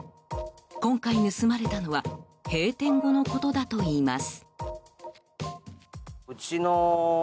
今回、盗まれたのは閉店後のことだといいます。